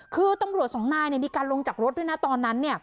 คือตำรวจสองนายมีการลงจากรถด้วยนะตอนนั้น